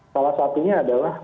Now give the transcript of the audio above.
salah satunya adalah